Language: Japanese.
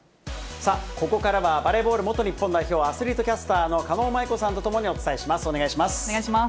さあ、ここからはバレーボール元日本代表、アスリートキャスターの狩野舞子さんと共にお伝えします。